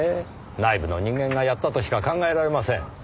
内部の人間がやったとしか考えられません。